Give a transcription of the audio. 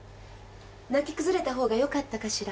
泣き崩れたほうがよかったかしら。